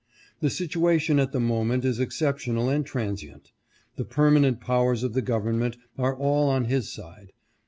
The situation at the moment is exceptional and transient. The permanent powers of the government are all on his side.